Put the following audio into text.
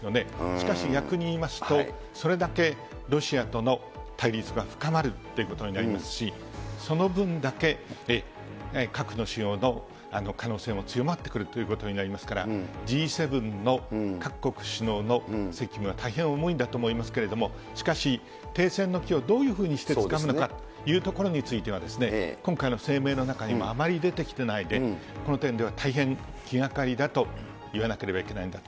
しかし逆に言いますと、それだけロシアとの対立は深まるってことになりますし、その分だけ核の使用の可能性も強まってくるということになりますから、Ｇ７の各国首脳の責務は大変重いんだと思いますけれども、しかし、停戦の機をどういうふうにしてつかむのかというところについてはですね、今回の声明の中にもあまり出てきてないで、この点では、大変気がかりだと言わなければいけないんだと。